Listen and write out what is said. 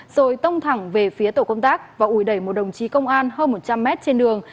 rồi tông thẳng về phía tổ công tác và ùi đẩy một đồng chí công an hơn một trăm linh m trên đường